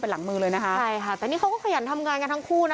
หลังมือเลยนะคะใช่ค่ะแต่นี่เขาก็ขยันทำงานกันทั้งคู่นะ